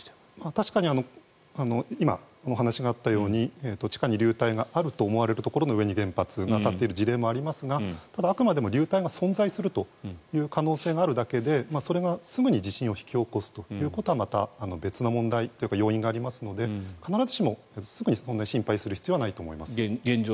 確かに今、お話があったように地下に流体があると思われるところに原発がある場所もありますがただ、あくまでも流体が存在するという可能性があるだけでそれがすぐに地震を引き起こすというのは別の問題というか要因がありますので必ずしもすぐに心配する必要はないと思います。